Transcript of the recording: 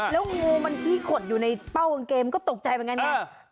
แล้วงูมันที่ขดอยู่ในเป้ากางเกงก็ตกใจเหมือนกันนะ